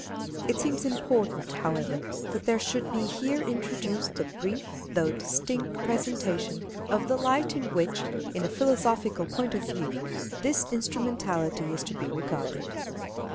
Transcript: It seems important, however, that there should be here introduced a brief though distinct presentation of the light in which, in a philosophical point of view, this instrumentality is to be regarded.